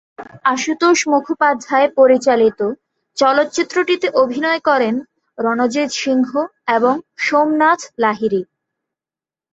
আশুতোষ মুখোপাধ্যায় পরিচালিত চলচ্চিত্রটিতে অভিনয় করেন রণজিত সিংহ এবং সোমনাথ লাহিড়ী।